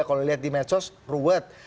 kalau lihat di medsos ruwet